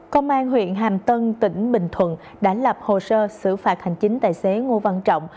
công an huyện hàm tân tỉnh bình thuận đã lập hồ sơ xử phạt hành chính tài xế ngô văn trọng